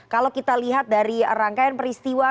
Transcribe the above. kalau kita lihat dari rangkaian peristiwa